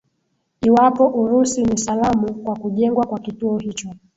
iwapo urusi ni salamu kwa kujengwa kwa kituo hicho